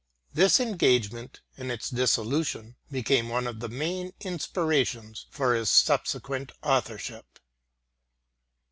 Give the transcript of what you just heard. This engagement and its dissolution became one of the main inspirations for his subsequent authorship.